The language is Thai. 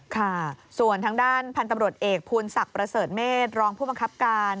ค่ะส่วนทางด้านพันธุ์ตำรวจเอกภูลศักดิ์ประเสริฐเมฆรองผู้บังคับการ